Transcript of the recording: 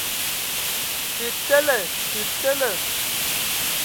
Tə tele! Tə tele.